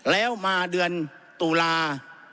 แล้วมาเดือนตุลา